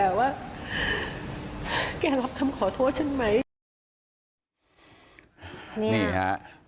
ลองฟังเสียงช่วงนี้ดูค่ะ